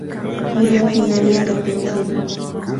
Murió a finales de aquel siglo.